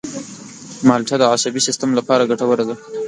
مالټه د عصبي سیستم لپاره ګټوره ده.